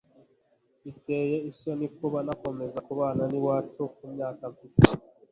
Biteye isoni kuba nakomeza kubana n'iwacu ku myaka mfite